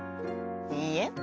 いいえ。